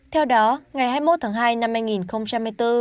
theo đó ngày hai mươi một tháng hai năm hai nghìn hai mươi bốn